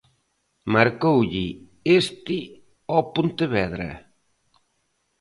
Marcoulle este ao Pontevedra.